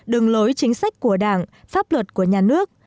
đường lối chính sách của đảng pháp luật của nhà nước